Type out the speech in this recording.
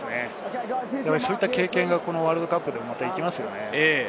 そういった経験がワールドカップで生きますよね。